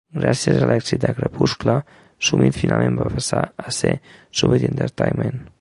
Gràcies a l'èxit de "Crepuscle", Summit finalment va passar a ser Summit Entertainment.